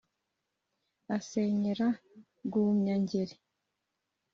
asenyera rwumya-ngeri.